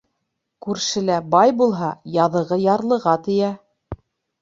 Күршелә бай булһа, яҙығы ярлыға тейә.